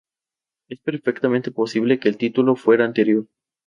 Es perfectamente posible que el título fuera anterior.